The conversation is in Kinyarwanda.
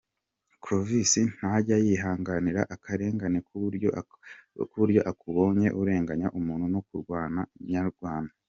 Clovis ntajya yihanganira akarengane kuburyo akubonye urenganya umuntu no kurwana yarwana.